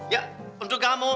ya untuk kamu